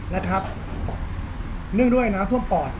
เนื่องด้วยน้ำท่วมปอด